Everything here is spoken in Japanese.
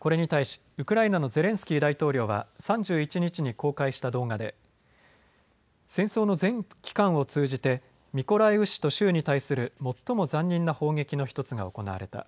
これに対しウクライナのゼレンスキー大統領は３１日に公開した動画で戦争の全期間を通じてミコライウ市と州に対する最も残忍な砲撃の１つが行われた。